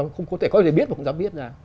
không có thể có gì biết và không dám biết ra